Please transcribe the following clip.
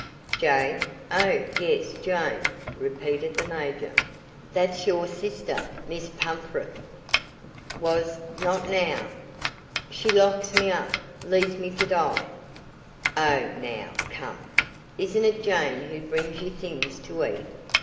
"Jane? Oh, yes, Jane," repeated the major. "That's your sister, Miss Pumfret?" "Was not now. She locks me up leaves me to die!" "Oh, now, come. Isn't it Jane who brings you things to eat?"